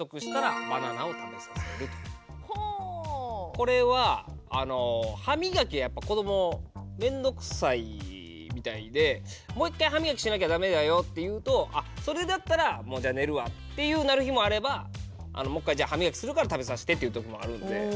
これは歯みがきはやっぱ子ども面倒くさいみたいで「もう一回歯みきしなきゃダメだよ」って言うとそれだったらもうじゃ寝るわってなる日もあればもう一回歯みがきするから食べさしてっていう時もあるんで。